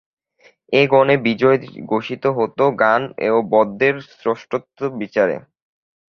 এ গানে বিজয় ঘোষিত হতো গান ও বাদ্যের শ্রেষ্ঠত্ব বিচারে।